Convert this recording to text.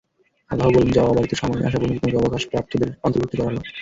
আল্লাহ বললেন, যাও অবধারিত সময় আসা পর্যন্ত তোমাকে অবকাশ প্রাপ্তদের অন্তর্ভুক্ত করা হলো।